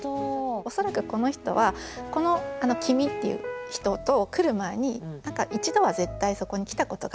恐らくこの人はこの「君」っていう人と来る前に一度は絶対そこに来たことがある。